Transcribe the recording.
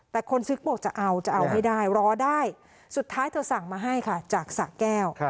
แต่คนซื้อก็บอกจะเอาจะเอาให้ได้รอได้สุดท้ายเธอสั่งมาให้ค่ะจากสะแก้ว